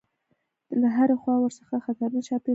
له هرې خوا ورڅخه خطرونه چاپېر شوي دي.